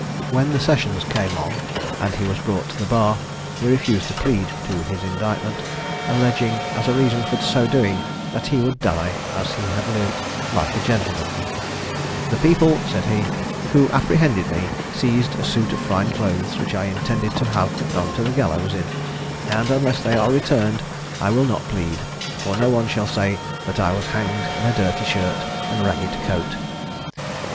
When the sessions came on, and he was brought to the bar, he refused to plead to his indictment, alleging as a reason for so doing, that he would die, as he had lived, like a gentleman: "The people," said he, "who apprehended me, seized a suit of fine clothes, which I intended to have gone to the gallows in; and unless they are returned, I will not plead; for no one shall say that I was hanged in a dirty shirt and ragged coat."